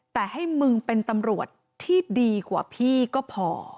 แต่ให้มึงเป็นตำรวจที่ดีกว่าพี่ก็พอ